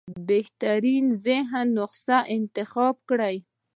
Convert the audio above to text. بهترینه مذهبي نسخه انتخاب کړو.